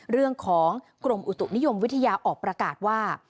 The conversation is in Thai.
เรื่องของกรมอุตุนิยมวิทยาออกประกาศว่า